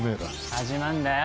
始まんだよ！